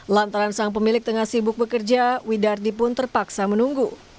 lantaran sang pemilik tengah sibuk bekerja widardi pun terpaksa menunggu